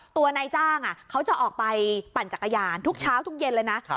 ตัวนายจ้างเขาจะออกไปปั่นจักรยานทุกเช้าทุกเย็นเลยนะ